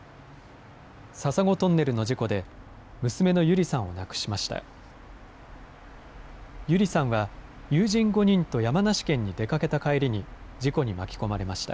笹子トンネルの事故で、娘の友梨さんを亡くしました。